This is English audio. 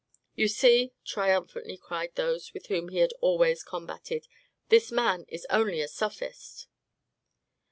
"You see," triumphantly cried those whom he had always combated, "this man is only a sophist."